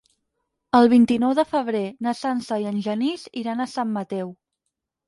El vint-i-nou de febrer na Sança i en Genís iran a Sant Mateu.